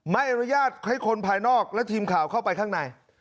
ไม่อนุญาตให้คนภายนอกและทีมข่าวเข้าไปข้างใน